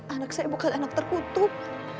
anak saya bukan anak terkutuk